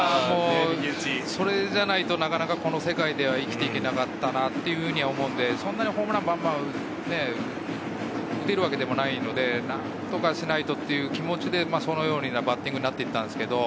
それじゃないと、なかなかこの世界では生きていけなかったなと思うので、ホームランをバンバン打てるわけでもないので、何とかしないとという気持ちでそういうバッティングになりました。